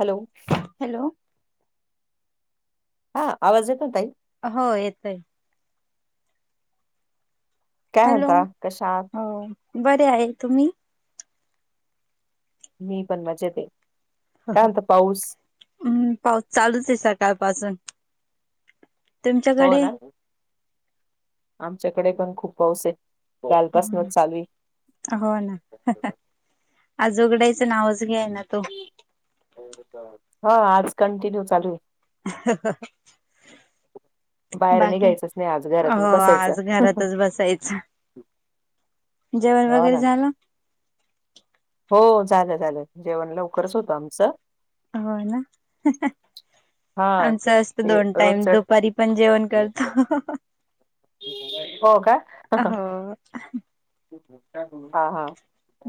Hello. Hello. हा आवाज येतो ताई? हो येतोय. काय हॅलो, म्हणता कशा आहात? अ बरे आहेत तुम्ही? मी पण मजेत ए, काय म्हणतो पाऊस? हम्म, पाऊस चालूच ए सकाळ पासून. हो तुमच्याकडे? ना, आमच्याकडे पण खूप पाऊस ए काल पसनच चालू ए. हो ना आज उघगडाचं नावच घ्यायेना तो हा आज कंटिन्यू चालू आहे. [inaudible] बाहेर बाकी, निघायचंच नाही आज घरातच हो बसायचं. आज घरातच बसायचं. जेवण हो वगैरे ना. झालं? हो झालं, झालं जेवण लवकरच होतं आमचं. हो ना हा आमचं असतं ते दोन टाईम रोजच दुपारी पण जेवण करतो हो का ह [inaudible] हा हा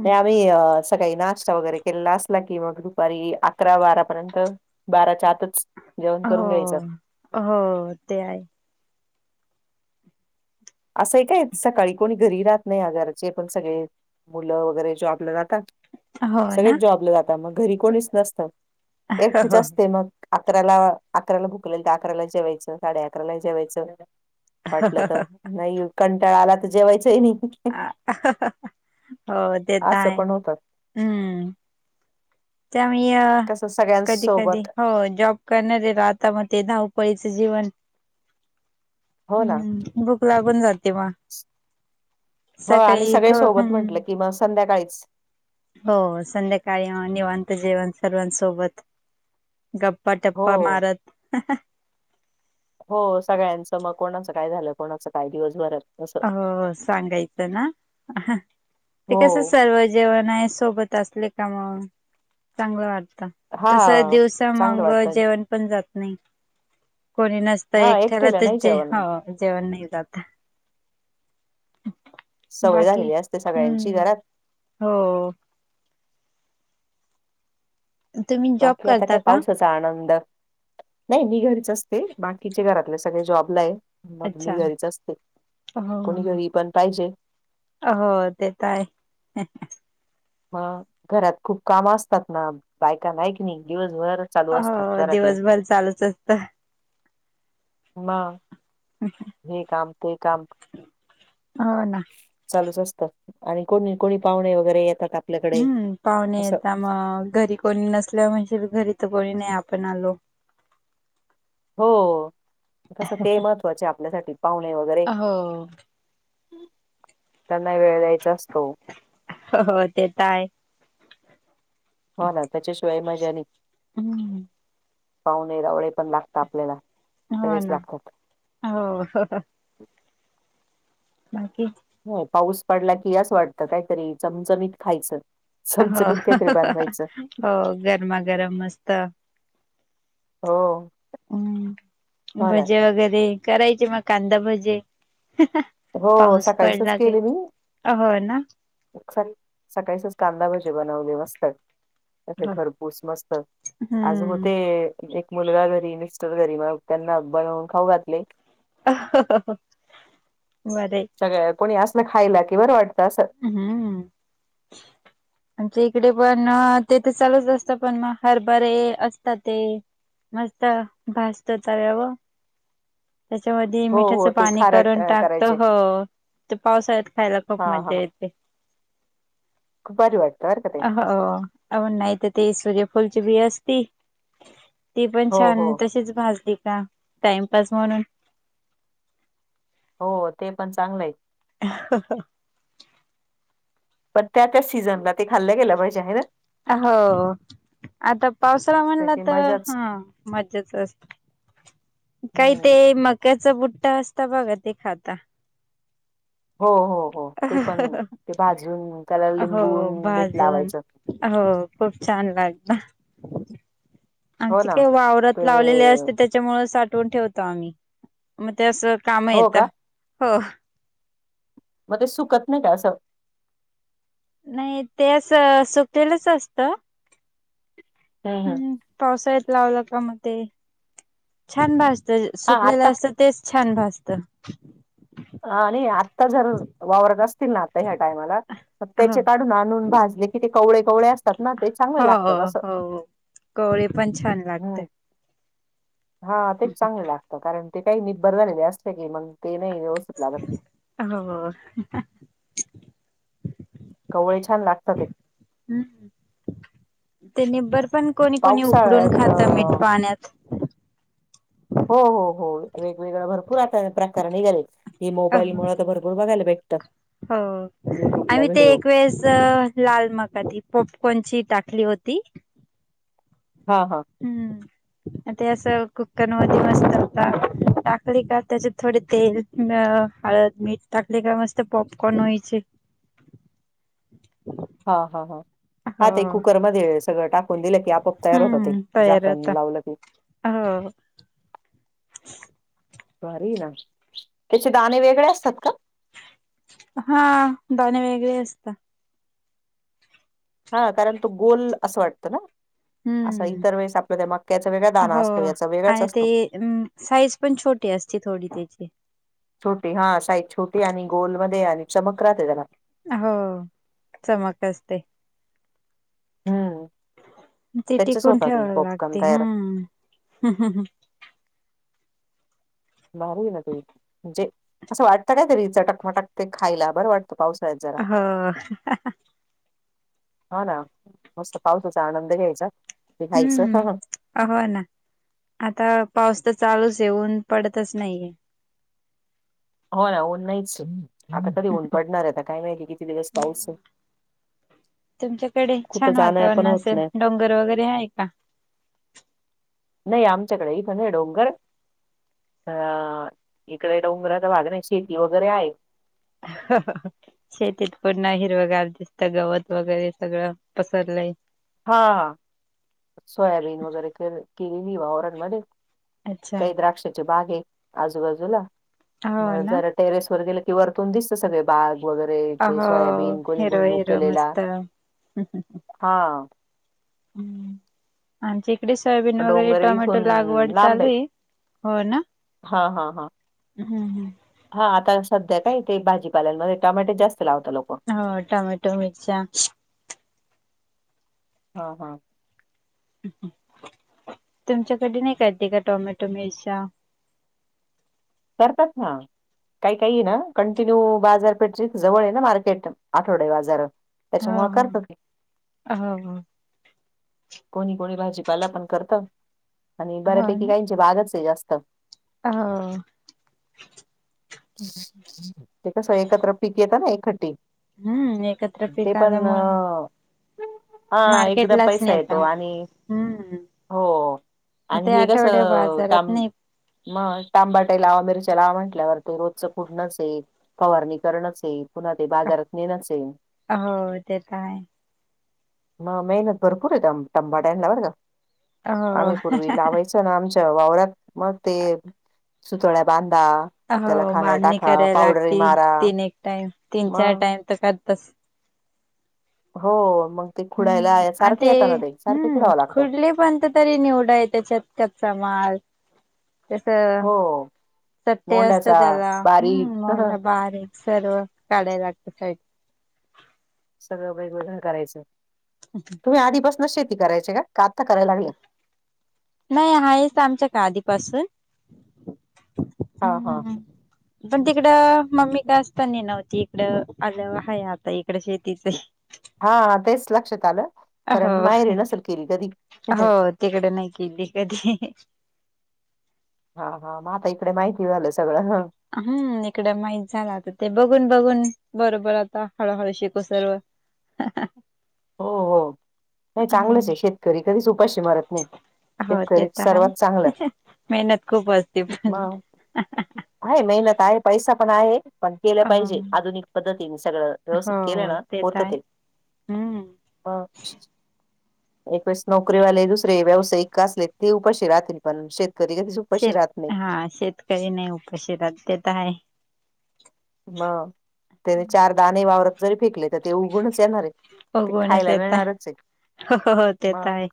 नाही [unintelligible] अं सकाळी नाश्ता वगैरे केलेला असला की मग दुपारी अकरा बारापर्यंत बाराच्या आतच जेवण करून हो घ्यायचं. हो ते आहे. असंय काय सकाळी कोणी घरी राहत नाही, घरचे पण सगळे मुलं वगैरे जॉब ला जातात. हो ना सगळेच जॉबला जातात मग घरी कोणीच नसतं हो एकटीच असते मग. अकराला, अकराला भुक लागली तर अकराला जेवायचं साडे अकराला ही जेवायचं. वाटलं तर नाही कंटाळा आला तर जेवायचंय नाही. हा होय ते तर असं आहे पण होतं. हम्म त्यामुळं हे कसं कधी कधी सगळ्यांसोबत हो जॉब कर ने दे ग आता म धावपळीच जीवन हो ना हम्म भूक लागून जाते मग हो आणि सकाळी थ सगळे सोबत हम्म म्हटलं की मग संध्याकाळीच हो संध्याकाळी निवांत जेवण सर्वांसोबत गप्पा हो टप्पा मारत हो सगळ्यांचं मग कोणाचं काय झालं कोणाचं काय दिवस भरात हो सांगायचं ना ते हो कस सर्व जेवण आहे सोबत असले का मग चांगलं वाटतं. हा कसं हाय दिवसा चांगलं मंग वाटतं जेवण पण जात नाही कोणी नसत तर हा एकट्याला एकटीला ते नाही जे जेवण हो जेवण नाही जात सवय बाकी, झालेली असते सगळ्यांची हम्म घरात हो तुम्ही जॉब बाकी आता करता काय का पाऊसच आनंद नाही मी घरीच असते बाकीचे घरातले सगळे जॉबला आहेत. मग मी अच्छा घरीच असते हो कोणी घरी पण पाहिजे. हो तेे त हाय मग घरात खूप काम असतात ना बायकांना ऐकणी दिवसभर चालू असतात हो दिवसभर चालूच असत. म हे काम ते काम हो ना. चालूच असत आणि कोणी, कोणी पाहुणे वगैरे येतात आप हम्म पाहुणे येता मग घरी कोणी नसल म्हणजे घरी तर कोणी नाही आपण आलो हो कसं ते महत्वाचे आपल्यासाठी पाहुणे वगैरे. हो त्यांनाही वेळ द्यायचा असतो. हो हो ते तर आहे. हो ना त्याच्याशिवाय मजा नाही, हम्म पाहुणे रावले पण लागत आपल्याला. हो सगळेच ना, लागतात हो बाकी, हो पाऊस पडला की, असं वाटतं कायतरी चमचमीत खायचं. हो [unintelligible] हो, गरमागरम मस्त हो हम्म हो ना भजी वगैरे करायचे मग, कांदा भजी हो पाऊस सकाळीचच पडला की केले मी हो ना, सकाळीचच कांदा भजी बनवले मस्त, अशी खरपूस मस्त आज होते, हम्म एक मुलगा घरी मिस्टर घरी मग त्यांना बनवून खाऊ घातले. हो, हो भारी आहे. कोणी असल खायला कि, बरं वाटतं अस. हम्म [unintelligible] आमच्या इकडे पण ते तर चालूच असत पण मग हरभरे असतात ते, मस्त भाजतो तव्यावर त्याच्यामध्ये हो मीठाच हो ते पाणी खारट करून अ, टाकतो. करायचे हो ते पावसाळ्यात खायला हा खूप मजा हा येते. खूप भारी वाटतं बरं का ते [unintelligible] आणि नाही तर ते, सूर्यफुलची बी असती. ती पण हो छान हो तशीच भाजते का टाइमपास म्हणून हो ते पण चांगलं आहे. [inaudible] पण त्या सीझनला ते खाल्लं गेलं पाहिजे हा ना, हो आता पावसोळा म्हणला त्याची तर, मजाच मज्जाच असते. काही ते हम्म मक्याचा बुट्टा असता बघा ते खाताता. हो हो हो ते पण ते भाजून त्याला हो लिंबून मीठ भाजून लावायचं. हो खूप छान लागत. हो आमचे ना. काय वावरात ते लावलेले असते त्या साठवून आम्ही मग ते अस काम हो येतं. का हो मध्ये सुकत नाही का असं नाही ते अस सुकलेलंच असतं. हम् हम् पावसाळ्यात लावलं का म ते छान भाजलेल असत. हा सुकलेल आत्ता असत तेच छान भाजत, ह आणि आत्ता जर वावरत असतील ना, आता ह्या टायमाला हो त्याचे काढून आणून भाजले कि, ते कवळे कवळे असतात ना ते चांगले लागतात असं कवळी पण छान लागते. हम्म. हा तेच चांगलं लागतं कारण ते काही न बर झालेले असते की, मग ते नाही व्यवस् [unintelligible] हो कवळे छान लागतात ते, ह् ते निबरपण कोणी कोणी उकडून पावसाळ्यात खात मीठ अ, पाण्यात हो हो हो वेगवेगळ भरपूर आता प्रकार निघालेत हे अ मोबाईलमुळे तर भरपूर [unintelligible] हो युट्यूबला आणी ते व्हिडिओ एक वेळेस अं लांल मंग पॉपकॉर्न ची मंग कोणाशी टांकली होती हां हां हम्म ते असं कुकर मं मस्तं होतां टांकळी कां त्यांचेत थोडे तेल अं हळंद मीठ टकले कां मंग ते मस्तं पॉपकॉर्न होचे हां हां हां हां ते हो कुकरमध्यें सगळं टाकूंन दिलं की आपोआप तयार होतं ते तयार होता झाकणं लावून दिलं की हो हं बरी नां त्यांचे दांणे वेगळे असतांत कां हां दांणे वेगळे असतांत हां कारणं तो गोलं असं वाटतं नां असां हम्म. इतंर वेळेस आपल्या त्यां मक्यांचा वेगळांया दांना असतो यांचा वेगळांच असतो मं साईज पणं छोटी असते थोडी त्यांची छोटी हां साईज छोटी आणि गोलंमध्यें आणि चमक राहते त्यांला हो चमक असते हम्मं ती टिकूंन ठेवांला लागते तयार. हम्मं भारी नां ते म्हणजे असं वाटतं कायं तरी चटंकमटंक ते खांयला बरं वाटतं पावसाळ्यांत जरां हो हां नां मस्तं पावसांचा आनंद घ्यांयचा ते खायचं हम्म हो नां आंता पाऊस तरं चालूंच आहे ऊंन तरं पडतंच नाहीं हो नां ऊंन नाहींच आंता तरी ऊंन पडणांर आहेतं कायं नाहीं कि किती दिवसं पाऊस तुमच्यांकडे कुठं छांन जाणं पण वातांवरण होत असेल नाही डोंगर वगैरें आहे कां नाहीं नाहीं आमच्या कडे नाहीं डोंगर अं इकडे डोंगरांचा भांग नाहीं शेती वगैरें आहे हं हं हं शेतीत पणं नाहीं हिरवं गांर दिसतं गवतं वगैरें सगळं पसरलंय हां सोयाबीन वगैरें केलेली वां वारांणमध्यें अच्छा कांहीं द्राक्षाची बांग आहे आजूंबाजूंला हो मंग ना जरां टेरेस वरे गेले कि वरतूंन दिसतं सगळं बांग वगैरें ते हो सोयांबीन कोणी हिरव भुईमुग हिरव केलेला मस्त. हां हम्मं आमच्या इकडे सोयाबीन वगैरें डोंगर टोमॅटो इथून लागंवड चालूं आहे हो नां हां हां हां हम्मं हं हां आंता संध्या कायं ते भाजीपाल्यांमध्यें टमॅटे जास्तं लावतातं लोकं हो टोमॅटो मिर्च्या हां हां तुमच्यांकडे नाहीं कां येतं कां टोमॅटो मिर्च्या करतांत नां कांहीं कांहीं आहे नां कंटिन्यू बाजांरपेठची जवळं आहे नां मार्केट आठवड्यांत बाजांर त्यांच्या हो मुळे हो करतांत की हो हो कोणी कोणी भाजीपाला पणं करतं आणि बऱ्यांपैकी कांहीं बारसं आहे जास्तं हा. ते कस एकत्र पीक येत ना एक खट्टी. हम्म एकत्र ते पिक पण आल्यामुळे अ हा एकदा मार्केटलाच पैसा येतो नेता आणि, हम्म हो. आणि ते हे आठवड्या कसं बाजारात ताम नाही म टमाबाटे लावा मिरच्या लावा म्हटल्यावर ते रोजचं कुडणच ये, फवारणी करणच ये. पुन्हा ते का? बाजारात नेणच ये. हो ते तर आहे. म मेहनत भरपूर आहेेत तंब-तंबाड्यांना बर का, हो आम्ही पूर्वी लावायचो. तन आमच्या वावरात, म ते, सुतल्या बांधा. त्याला हो खाणं बांधणी टाका कराय पावडरी लागतती, मारा तीन एक टाइम तीन चार मग टाइम तरतस हो मग ते खुडायला हम्म सारखे येत ना ते सारखे खुडावं लागतं. पल्य पाण्यात तरी निवडा हाय त्याच्यात कच्चा माल. कस हो सत्य असत मोंड्याचा त्याला हम्म बारीक मोंडा बार ये. सर्व, काढाय लागत [unintelligible] सगळं वेगळवेगळं करायचं. [inaudible] तुम्ही आधीपासनच शेती करायची का आता कराय लागलय? नाही आहेच आमच्या का आधीपासून. हा हा. हम्म पण तिकडं मम्मी काय असता ना नव्हती इकड आलं आहे आता इकड शेतीच हा तेच लक्षात आलं, कारण हो माहेरी नसल केली कधी? तिकड नाही केली कधी. हा हा म आता इकडे माहिती झालं सगळं ह. हम्म इकड माहित झालं आता ते बघून बघून, बरोबर आता हळूहळू शिकू सर्व. हो हो, नाही हो चांगलंचये शेतकरी कधीच उपाशी मरत नाही. हो ते शेतकरी तर हाय, सर्वात चांगलं मेहनत खूप असते पण. मग आहे मेहनत आहे पैसा पण आहे, पण केला हो पाहिजे आधुनिक पद्धतीने सगळं. व्यवस्थित हो केलं ना तर होत आहे ते. हम्म. ब अ. एकवेेळेस नोकरी वाले दुसरे व्यावसायिक का असले ते उपाशी राहतील पण शेतकरी कधीच उपाशी शेत, राहत नाही हा शेतकरी नाही उपाशीरात ते तर हाय. म, तेने चारदाने वावरत जरी फेकले तर ते उगुणच येणार ये. ते उगवूनच खायला येत मिळणारच ये, हो हो ते तर मग. आहे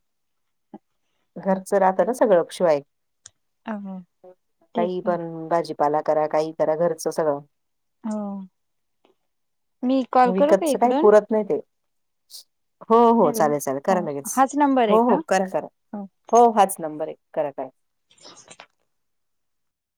घरचं राहत न सगळं शिवाय. हो ठीक काही आहे पण भाजीपाला करा काही करा घरचं सगळं. हो. मी कॉल करू का विकतच काय इकडून पुरत नाही ते. हो हो हॅलो चालेल चालेल हो करा लगेच, हाच नंबर आहे हो हो का करा करा. हो हाच नंबर ये, करा करा. [unintelligible]